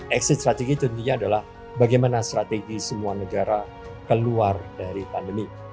exit strategi tentunya adalah bagaimana strategi semua negara keluar dari pandemi